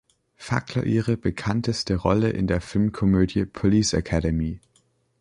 Fackler" ihre bekannteste Rolle in der Filmkomödie "Police Academy".